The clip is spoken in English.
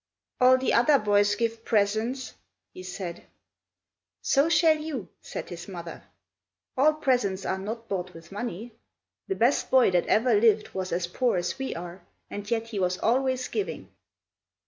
"All the other boys give presents!" he said. "So shall you!" said his mother. "All presents are not bought with money. The best boy that ever lived was as poor as we are, and yet he was always giving."